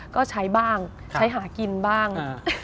ก็ใช้บ้างใช้หากินบ้าง